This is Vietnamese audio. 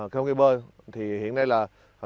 không cây bơ